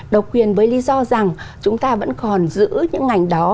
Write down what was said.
độc quyền với lý do rằng chúng ta vẫn còn giữ những ngành đó